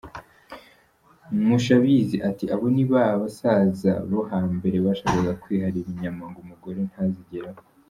Mushabizi ati “Abo ni ba basaza bo hambere bashakaga kwiharira inyama ngo umugore ntazigereho.